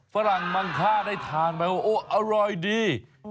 ฝรั่งมังค่าได้ทานไหมว่าโอ้อร่อยดี